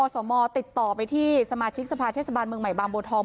สมติดต่อไปที่สมาชิกสภาเทศบาลเมืองใหม่บางบัวทอง